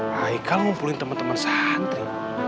raikal ngumpulin temen temen santri